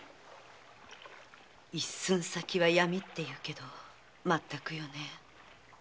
一寸先は闇っていうけどまったくよね。